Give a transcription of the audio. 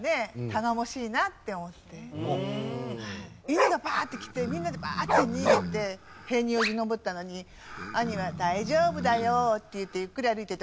犬がバーッて来てみんなでバーッて逃げて塀によじ登ったのに兄は「大丈夫だよ」って言ってゆっくり歩いてて。